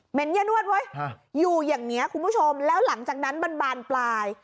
ย่านวดเว้ยอยู่อย่างนี้คุณผู้ชมแล้วหลังจากนั้นมันบานปลาย